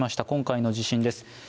今回の地震です